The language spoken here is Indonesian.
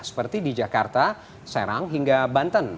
seperti di jakarta serang hingga banten